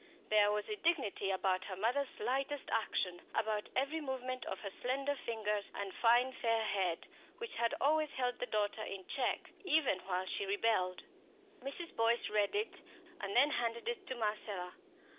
There was a dignity about her mother's lightest action, about every movement of her slender fingers and fine fair head, which had always held the daughter in check, even while she rebelled. Mrs. Boyce read it, and then handed it to Marcella.